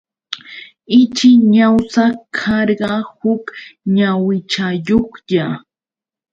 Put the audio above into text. Ichi ñawsa karqa huk ñawichayuqlla.